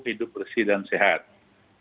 mengingatkan perilaku hidup bersih dan sehat